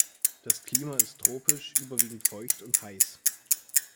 Das Klima ist tropisch, überwiegend feucht und heiß.